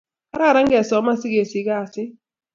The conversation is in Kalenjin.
Kararan ke soman si kesich kasit